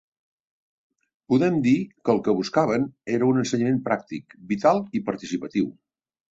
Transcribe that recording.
Podem dir que el que buscaven era un ensenyament pràctic, vital i participatiu.